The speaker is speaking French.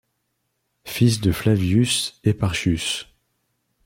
Fils de Flavius Eparchius.